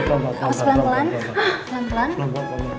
harus pelan pelan pelan pelan